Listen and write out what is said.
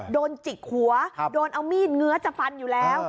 จิกหัวโดนเอามีดเงื้อจะฟันอยู่แล้ว